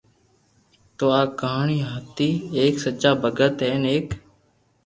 تو آ ڪہاني ھتي ايڪ سچا ڀگت ھين ايڪ